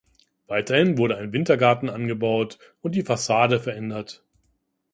Weiterhin wurde ein Wintergarten angebaut und die Fassade verändert.